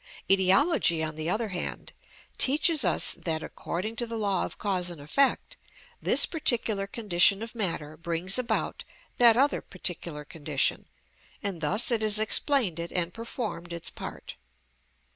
Etiology, on the other hand, teaches us that, according to the law of cause and effect, this particular condition of matter brings about that other particular condition, and thus it has explained it and performed its part.